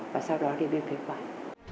và sau đó thì viêm kế hoạch